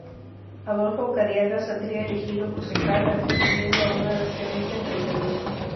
Adolfo Careaga saldría elegido concejal accediendo a una de las tenencias de Alcaldía.